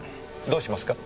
どうしますか？